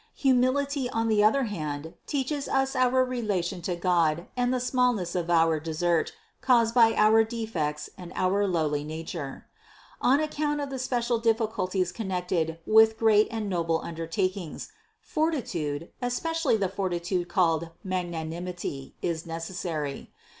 Humility on the other hand teaches us our relation to God and the smallness of our desert caused by our defects and our own lowly nature. On account of the special difficulties connected with great and noble under takings, fortitude, especially the fortitude called mag nanimity, is necessary.